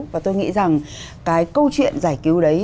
và tôi nghĩ rằng cái câu chuyện giải cứu đấy